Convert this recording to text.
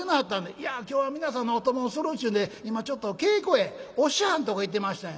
「いや今日は皆さんのお供をするっちゅうんで今ちょっと稽古へお師匠はんとこ行ってましたんや」。